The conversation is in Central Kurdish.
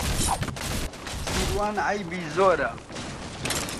سیروان عەیبی زۆرە.